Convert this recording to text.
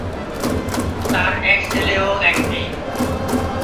তার এক ছেলে ও এক মেয়ে।